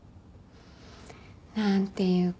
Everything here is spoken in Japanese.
何ていうか。